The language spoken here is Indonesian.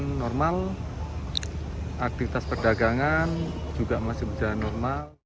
yang normal aktivitas perdagangan juga masih berjalan normal